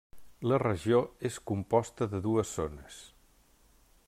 La regió és composta de dues zones.